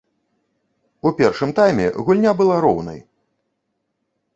У першым тайме гульня была роўнай.